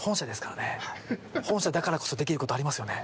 本社だからこそできることありますよね？